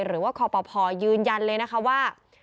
หรือว่าคอปภยืนยันเลยนะคะว่า